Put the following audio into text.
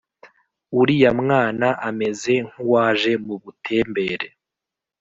Uriya mwana ameze nkuwaje mu butembere